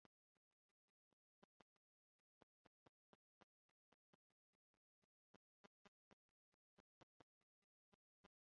Ĉar ili ne multe proksime rilatis, ili estis kvazaŭ fremduloj unu al la alia.